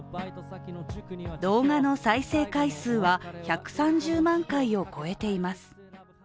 動画の再生回数は１３０万回を超えています。